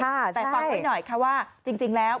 แต่ฟังไว้หน่อยค่ะว่าจริงแล้ว